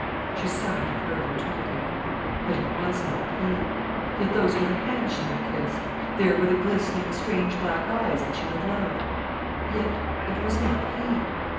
She sat and heard him talking. But it was not he. Yet those were the hands she had kissed, there were the glistening, strange black eyes that she had loved. Yet it was not he.